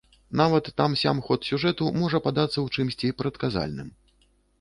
Нават там-сям ход сюжэту можа падацца ў чымсьці прадказальным.